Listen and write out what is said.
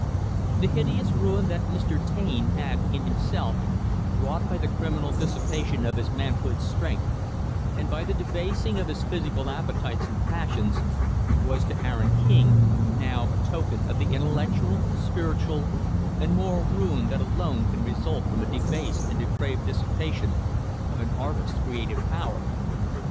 The hideous ruin that Mr. Taine had, in himself, wrought by the criminal dissipation of his manhood's strength, and by the debasing of his physical appetites and passions, was to Aaron King, now, a token of the intellectual, spiritual, and moral ruin that alone can result from a debased and depraved dissipation of an artist's creative power.